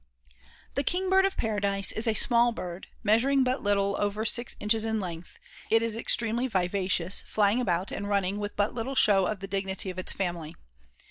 The King Bird of Paradise is a small bird, measuring but little over six inches in length. It is extremely vivacious, flying about and running with but little show of the dignity of its family.